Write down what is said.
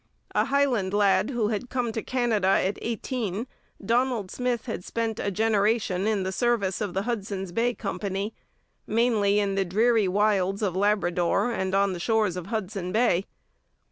A Highland lad who had come to Canada at eighteen, Donald Smith had spent a generation in the service of the Hudson's Bay Company, mainly in the dreary wilds of Labrador and on the shores of Hudson Bay.